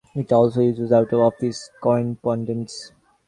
It also uses out-of-office correspondents.